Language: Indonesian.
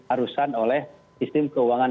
arusan oleh sistem keuangan